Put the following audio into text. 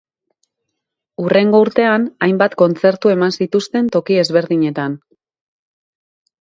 Hurrengo urtean hainbat kontzertu eman zituzten toki ezberdinetan.